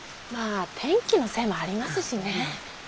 まあ天気のせいもありますしね。